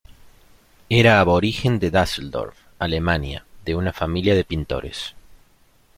Era aborigen de Düsseldorf, Alemania de una familia de pintores.